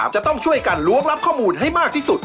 จะต้องช่วยกันล้วงรับข้อมูลให้มากที่สุด